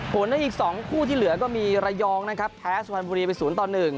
ผลในอีก๒คู่ที่เหลือก็มีระยองนะครับแพ้สุพรรณบุรีไป๐ต่อ๑